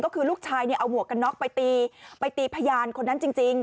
ก็คือลูกชายเนี่ยเอาหมวกกันน็อกไปตีไปตีพยานคนนั้นจริง